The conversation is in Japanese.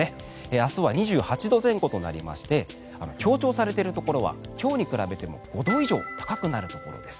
明日は２８度前後となりまして強調されているところは今日に比べても５度以上高くなるところです。